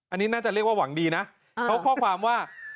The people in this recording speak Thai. อันนี้น่าจะเรียกว่าหวังดีนะเขาข้อความว่า